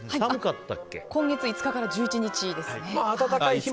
今月５日から１１日です。